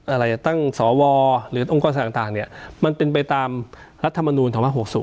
อะไรตั้งสวหรือองค์กรต่างเนี่ยมันเป็นไปตามรัฐมนูล๒๖๐